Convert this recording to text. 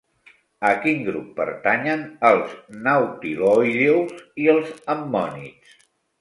A quin grup pertanyen els nautiloïdeus i els ammonits?